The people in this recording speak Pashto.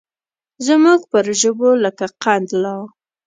زموږ پر ژبو لکه قند لا